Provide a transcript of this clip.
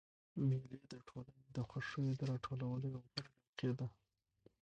مېلې د ټولني د خوښیو د راټولولو یوه غوره موقع ده.